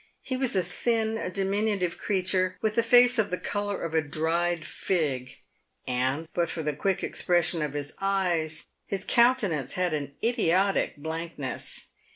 He was a thin, diminutive creature, with a face of the colour of a dried fig ; and, but for the quick expres sion of his eyes, his countenance had an idiotic blankness.